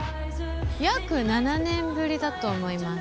約７年ぶりだと思います。